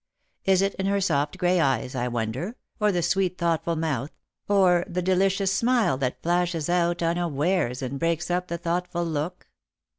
Is it in her soft grey eyes, I wonder, or the sweet thoughtful mouth, or the delicious smile that flashes out unawares and breaks up the thoughtful look